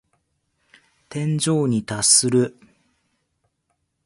天井に達する。